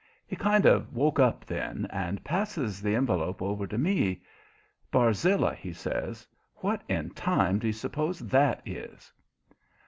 He kind of woke up then, and passes the envelope over to me. "Barzilla," he says, "what in time do you s'pose that is?"